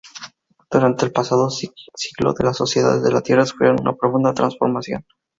Durante el pasado siglo las sociedades de la Tierra sufrieron una profunda transformación.